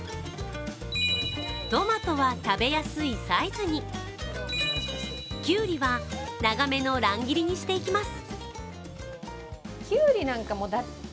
トマトは食べやすいサイズに、きゅうりは長めの乱切りにしていきます。